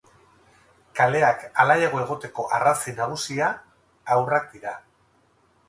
Kaleak alaiago egoteko arrazoi nagusia haurrak dira.